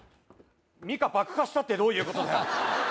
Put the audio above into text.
ミカ爆破したってどういうことだよ？